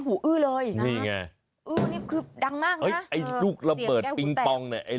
หูอื้อเลยนะครับอื้อนี่คือดังมากนะเสียงแก้วหูแต่งอ้ายลูกระเบิดปิ๊งปองเนี่ย